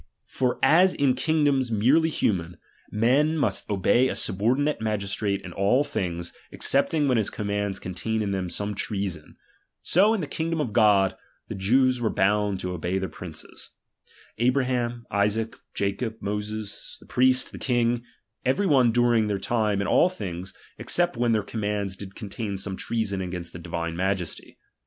For as in kingdoms merely human, men denceaadidDia must obey a subordinate magistrate in all things, S^^^'^Vn^ excepting when his commands contain in them *%°i,f^i„^'^, some treason ; so in the kingdom of God, the "imgs o^ej^ Jews were bound to obey their princes, Abraham, xtea Isaac, Jacob, Moses, the priest, the king, every one during their time in all things, except when their commands did contain some treason against ike Divine Majesty.